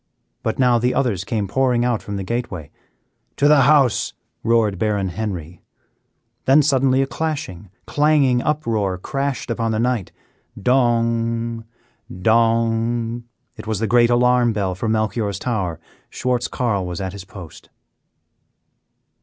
But now the others came pouring out from the gateway. "To the house," roared Baron Henry. Then suddenly a clashing, clanging uproar crashed out upon the night. Dong! Dong! It was the great alarm bell from Melchior's tower Schwartz Carl was at his post.